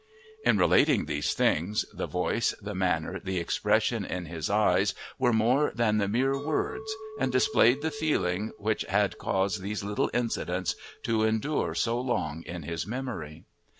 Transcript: In relating these things the voice, the manner, the expression in his eyes were more than the mere words, and displayed the feeling which had caused these little incidents to endure so long in his memory.